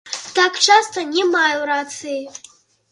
Так, часта не маю рацыі.